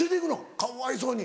かわいそうに。